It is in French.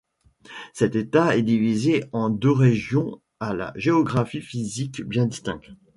Cet État est divisé en deux régions à la géographie physique bien distinctes.